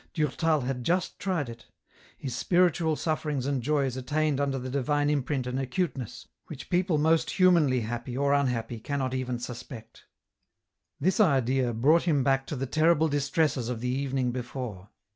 Durtal had just tried it ; his spiritual suff'erings and joys attained under the divine imprint an acuteness, which people most humanly happy or unhappy cannot even suspect. 8 258 EN ROUTE. This idea brought him back to the terrible distresses ot the evening before.